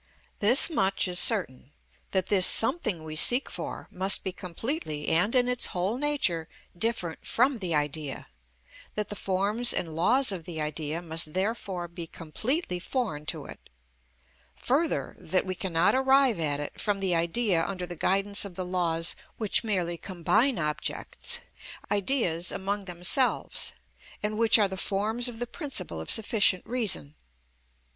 Thus much is certain, that this something we seek for must be completely and in its whole nature different from the idea; that the forms and laws of the idea must therefore be completely foreign to it; further, that we cannot arrive at it from the idea under the guidance of the laws which merely combine objects, ideas, among themselves, and which are the forms of the principle of sufficient reason.